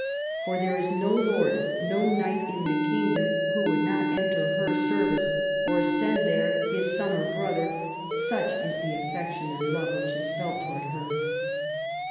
For there is no lord, nor knight in the kingdom, who would not enter her service, or send there his son or brother; such is the affection and love which is felt towards her.